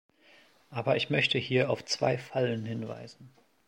Aber ich möchte hier auf zwei Fallen hinweisen.